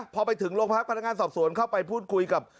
พอไปถึงโรงพักพนักงานสอบสวนเข้าไปพูดคุยกับ